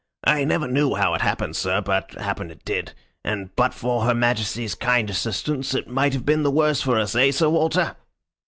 I never knew how it happened, sir, but happen it did, and but for her Majesty's kind assistance it might have been the worse for us. Eh, Sir Walter?"